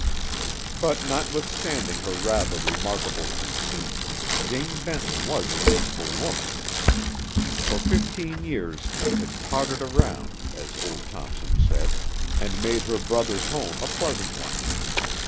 But notwithstanding her rather remarkable conceit, Jane Benton was a useful woman. For fifteen years she had "pottered around," as old Thompson said, and made her brother's home a pleasant one.